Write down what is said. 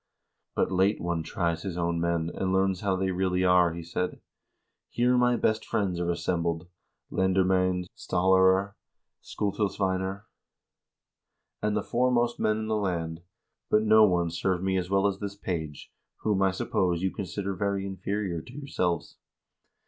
"But late one tries his own men, and learns how they really are," he said. "Here my best friends are assembled: lendermcend, stal larer, skutilsveinar, and the foremost men in the land, but no one served me as well as this page, whom, I suppose, you consider very inferior to yourselves.